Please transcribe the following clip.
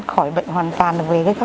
khỏi bệnh hoàn toàn được về các khoa